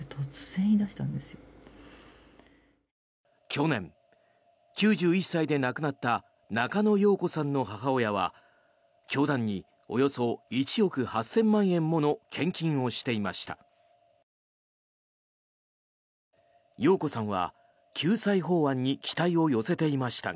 去年、９１歳で亡くなった中野容子さんの母親は教団におよそ１億８０００万円もの献金をしていました。